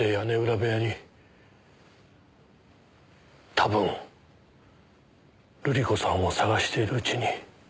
多分瑠璃子さんを探しているうちに。